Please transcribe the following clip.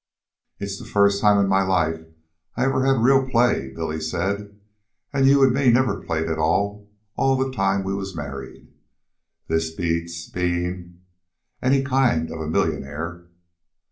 "It's the first time in my life I ever had real play," Billy said. "An' you an' me never played at all all the time we was married. This beats bein' any kind of a millionaire."